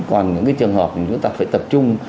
còn những cái trường hợp chúng ta phải tập trung